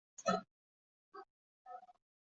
毋丘俭事后被诛灭三族。